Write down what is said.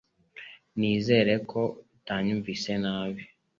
Nizere ko utanyumvise nabi